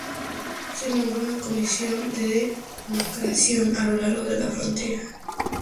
Se nombró una comisión de demarcación a lo largo de la frontera.